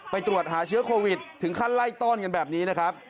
ตรวจหาเชื้อโควิดถึงขั้นไล่ต้อนกันแบบนี้นะครับ